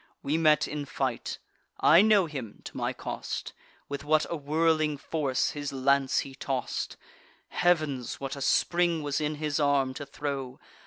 We met in fight; I know him, to my cost: With what a whirling force his lance he toss'd! Heav'ns! what a spring was in his arm, to throw!